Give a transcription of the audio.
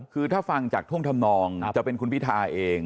คือถ้าฟังจากท่วงทำนองจะเป็นคุณพิทาเอง